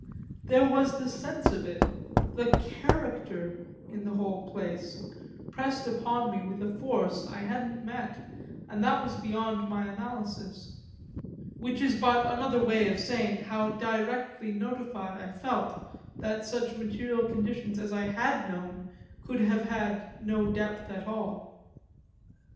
That was the sense of it the character, in the whole place, pressed upon me with a force I hadn't met and that was beyond my analysis which is but another way of saying how directly notified I felt that such material conditions as I had known could have had no depth at all.